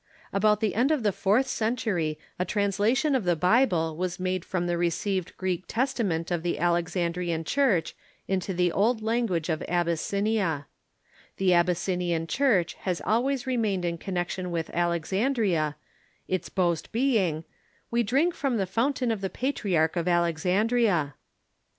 About the end of the fourth century a transla tion of the Bible was made from the received Greek Testa ment of the Alexandrian Church into the old language of Abyssinia. The Abyssinian Church has always remained in 7 98 THE EARLY CHURCH connection with Alexandria, its boast being, "We drink from the fountain of the Patriarch of Alexandria."